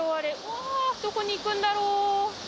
わーっ、どこに行くんだろう。